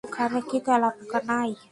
ওখানে কি তেলাপোকা নাই?